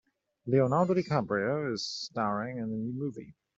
Leonardo DiCaprio is staring in the new movie.